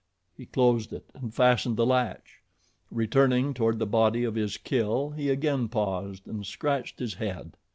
He closed it and fastened the latch. Returning toward the body of his kill he again paused and scratched his head.